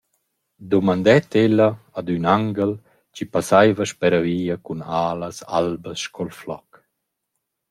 Dumandet ell’ad ün anguel chi passaiva speravia cun alas albas sco’l floc.